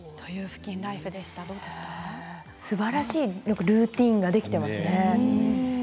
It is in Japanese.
すばらしいルーティンができていますね。